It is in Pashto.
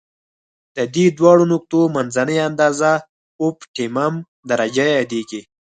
د دې دواړو نقطو منځنۍ اندازه اؤپټیمم درجه یادیږي.